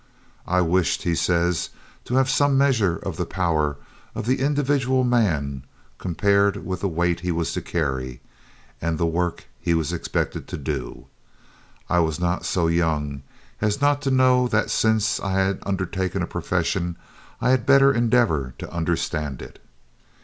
"I wished," he says, "to have some measure of the power of the individual man compared with the weight he was to carry, and the work he was expected to do. I was not so young as not to know that since I had undertaken a profession, I had better endeavor to understand it."